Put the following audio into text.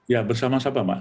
ya bersama sama pak